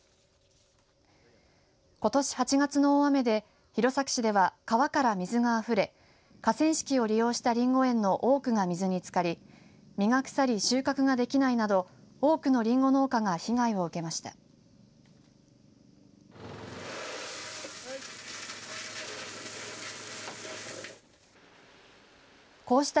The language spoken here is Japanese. ことし８月の大雨で弘前市では川から水があふれ河川敷を利用したりんご園の多くが水につかり実が腐り、収穫ができないなど多くのりんご農家が被害を受けました。